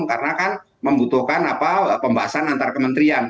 karena kan membutuhkan pembahasan antar kementerian